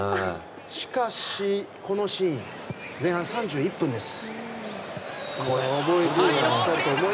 しかし、このシーン前半３１分です。